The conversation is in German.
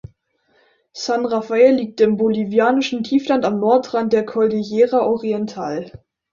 San Rafael liegt im bolivianischen Tiefland am Nordrand der Cordillera Oriental.